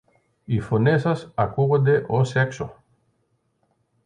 Οι φωνές σας ακούονται ως έξω!